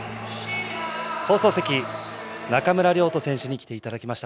放送席、中村亮土選手に来ていただきました。